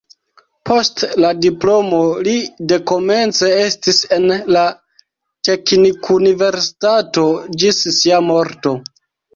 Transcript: Post la diplomo li dekomence estis en la teknikuniversitato ĝis sia morto.